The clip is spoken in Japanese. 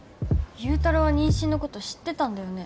祐太郎は妊娠のこと知ってたんだよね？